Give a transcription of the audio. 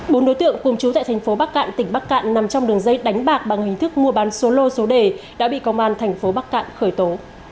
bốn đối tượng cùng chú tại thành phố bắc cạn tỉnh bắc cạn nằm trong đường dây đánh bạc bằng hình thức mua bán số lô số đề đã bị công an thành phố bắc cạn khởi tố